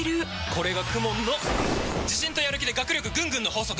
これがＫＵＭＯＮの自信とやる気で学力ぐんぐんの法則！